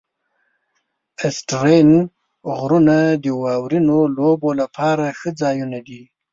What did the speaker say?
آسټرین غرونه د واورینو لوبو لپاره ښه ځایونه دي.